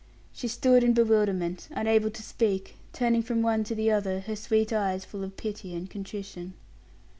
She stood in bewilderment, unable to speak, turning from one to the other, her sweet eyes full of pity and contrition.